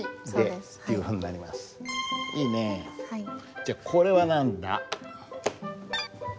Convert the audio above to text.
じゃこれは何だ？